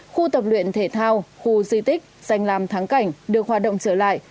khu tập luyện thể thao khu di tích danh làm thắng cảnh được hoạt động trở lại